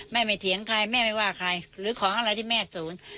ไม่เถียงใครแม่ไม่ว่าใครหรือของอะไรที่แม่ศูนย์